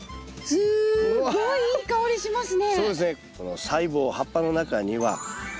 すごくいい香りがしますね。